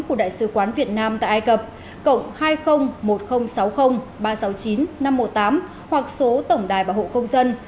của đại sứ quán việt nam tại ai cập cộng hai không một không sáu không ba sáu chín năm một tám hoặc số tổng đài bảo hộ công dân